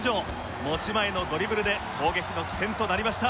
持ち前のドリブルで攻撃の起点となりました。